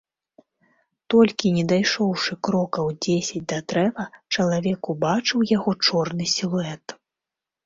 Толькі не дайшоўшы крокаў дзесяць да дрэва, чалавек убачыў яго чорны сілуэт.